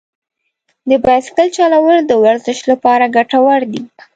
د بایسکل چلول د ورزش لپاره ګټور دي.